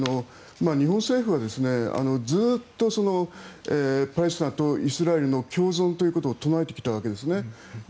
日本政府はずっとパレスチナとイスラエルの共存ということを唱えてきたわけですね。